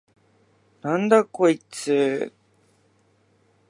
なんだこいつ！？